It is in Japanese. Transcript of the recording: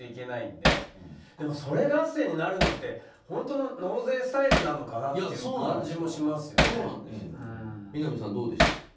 でも、それ合戦になるのって本当の納税スタイルなのかなって南さん、どうでしょう。